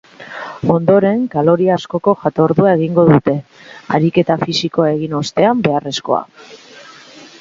Ondoren, kaloria askoko jatordua egingo dute, ariketa fisikoa egin ostean beharrezkoa.